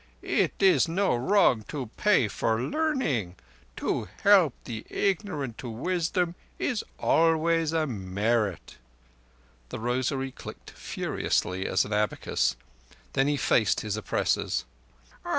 "It is no wrong to pay for learning. To help the ignorant to wisdom is always a merit." The rosary clicked furiously as an abacus. Then he faced his oppressors.